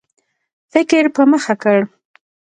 فکر په مخه کړ.